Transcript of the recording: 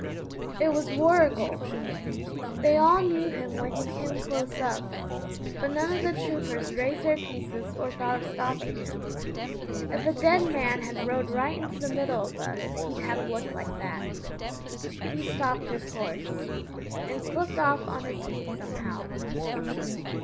It was Warrigal! They all knew him when he came close up, but none of the troopers raised their pieces or thought of stopping him. If a dead man had rode right into the middle of us he'd have looked like that. He stopped his horse, and slipped off on his feet somehow.